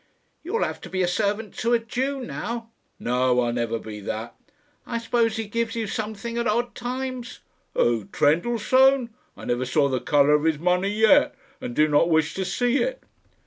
"You'll have to be servant to a Jew now." "No; I'll never be that." "I suppose he gives you something at odd times?" "Who? Trendellsohn? I never saw the colour of his money yet, and do not wish to see it."